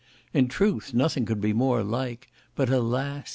In truth, nothing could be more like, but, alas!